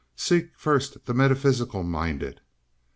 Seek first the metaphysical minded.